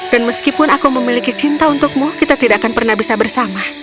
dan meskipun aku memiliki cinta untukmu kita tidak akan pernah bisa bersama